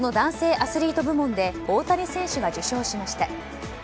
アスリート部門で大谷選手が受賞しました。